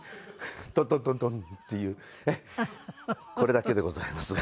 トントントントンっていうこれだけでございますが。